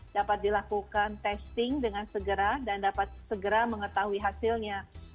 dapat dilakukan testing dengan segera dan dapat segera mengetahui hasilnya